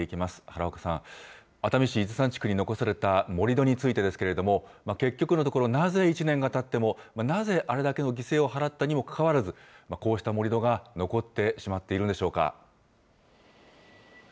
原岡さん、熱海市伊豆山地区に残された盛り土についてですけれども、結局のところ、なぜ１年がたっても、なぜあれだけの犠牲を払ったにもかかわらず、こうした盛り土が残ってしまっているんでしょうか。